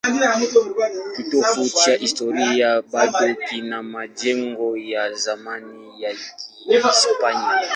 Kitovu cha kihistoria bado kina majengo ya zamani ya Kihispania.